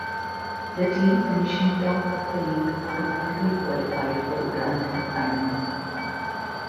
The team finishing top of the league automatically qualified for the Grand Final.